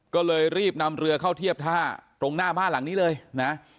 ก็เลยรีบนำเรือเข้าเทียบท่าตรงหน้าบ้านหลังนี้เลยนะ